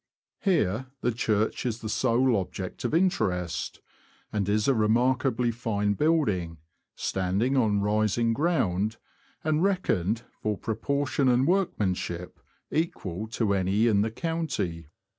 Here the church is the sole object of interest, and is a remarkably fine building, standing on rising ground, and reckoned, for proportion and workmanship, equal to any in the county.